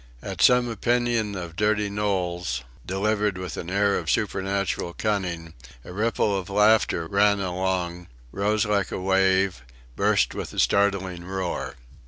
At some opinion of dirty Knowles, delivered with an air of supernatural cunning, a ripple of laughter ran along, rose like a wave, burst with a startling roar.